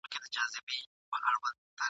ما د ورور په چاړه ورور دئ حلال كړى !.